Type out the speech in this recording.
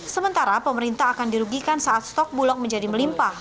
sementara pemerintah akan dirugikan saat stok bulog menjadi melimpah